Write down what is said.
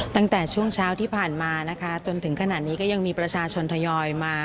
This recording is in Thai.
ตั้งแต่ช่วงเช้าที่ผ่านมานะคะจนถึงขนาดนี้ก็ยังมีประชาชนทยอยมา